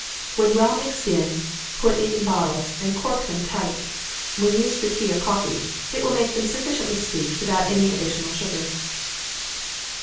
When well mixed in, put it in bottles, and cork them tight. When used for tea or coffee, it will make them sufficiently sweet without any additional sugar.